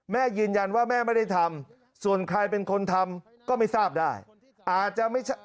แม่ยืนยันว่าแม่ไม่ได้ทำส่วนใครเป็นคนทำก็ไม่ทราบได้อาจจะไม่ใช่